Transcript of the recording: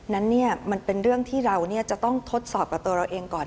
นั้นมันเป็นเรื่องที่เราจะต้องทดสอบกับตัวเราเองก่อน